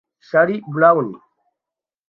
Charlie Brown